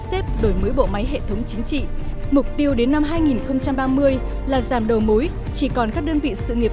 xếp đổi mới bộ máy hệ thống chính trị mục tiêu đến năm hai nghìn ba mươi là giảm đầu mối chỉ còn các đơn vị sự nghiệp